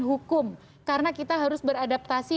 hukum karena kita harus beradaptasi